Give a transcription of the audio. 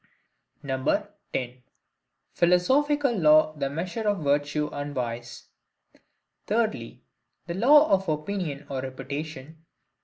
10. Philosophical Law the Measure of Virtue and Vice. Thirdly, the LAW OF OPINION OR REPUTATION.